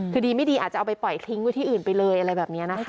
คือดีไม่ดีอาจจะเอาไปปล่อยทิ้งไว้ที่อื่นไปเลยอะไรแบบนี้นะคะ